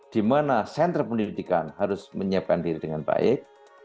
di mana sentra pendidikan harus menyiapkan diri dengan baik